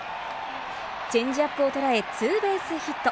チェンジアップを捉え、ツーベースヒット。